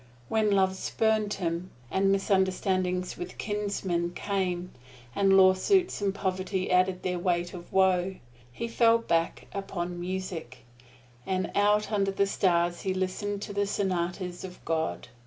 When love spurned him, and misunderstandings with kinsmen came, and lawsuits and poverty added their weight of woe, he fell back upon music, and out under the stars he listened to the sonatas of God.